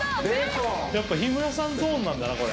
やっぱ日村さんゾーンなんだなこれ。